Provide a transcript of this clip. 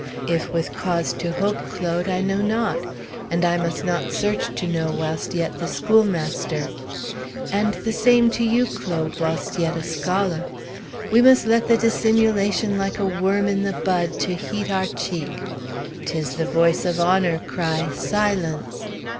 If with cause to hope, Claude, I know not. And I must not search to know whilst yet the schoolmaster. And the same to you, Claude, whilst yet a scholah. We mus' let the dissimulation like a worm in the bud to h eat our cheek. 'Tis the voice of honor cry 'Silence.'